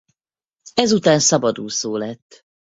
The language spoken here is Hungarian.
Ezután szabadúszó lett.